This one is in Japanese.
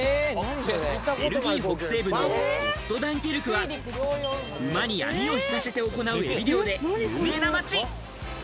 ベルギー北西部のオストダンケルクは馬に網を引かせて行うエビ漁で有名な街。